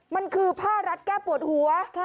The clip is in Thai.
มันคือผ้ารัดแก้ปวดหัว